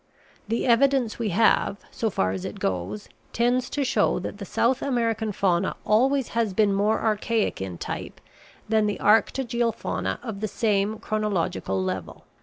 The evidence we have, so far as it goes, tends to show that the South American fauna always has been more archaic in type than the arctogeal fauna of the same chronological level.